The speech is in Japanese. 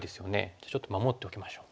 じゃあちょっと守っておきましょう。